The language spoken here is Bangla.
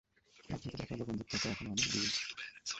মাত্রই তো দেখা হলো বন্ধুত্ব তো এখনো অনেক দূরে।